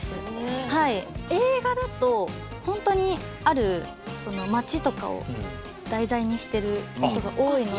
映画だとほんとにある街とかを題材にしてることが多いので。